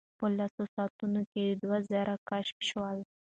په لسو ساعتونو کې دوه زره کشف شول.